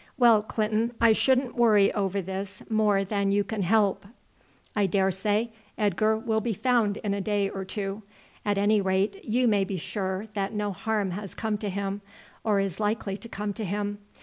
Well, Clinton, I shouldn't worry over this more than you can help. I daresay Edgar will be found in a day or two. At any rate you may be sure that no harm has come to him, or is likely to come to him.